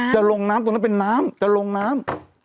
จะลงน้ำตรงนั้นเป็นน้ำจะลงน้ำ